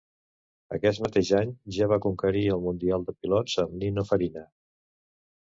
Aquest mateix any ja va conquerir el mundial de pilots amb Nino Farina.